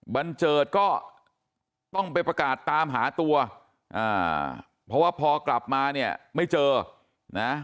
เจิดก็ต้องไปประกาศตามหาตัวอ่าเพราะว่าพอกลับมาเนี่ยไม่เจอนะ